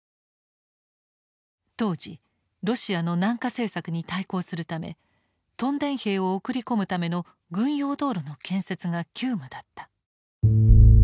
当時ロシアの南下政策に対抗するため屯田兵を送り込むための軍用道路の建設が急務だった。